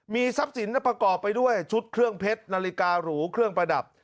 มีทรัพย์สินประกอบไปด้วยชุดเครื่องเพชรนาฬิการูเครื่องประดับ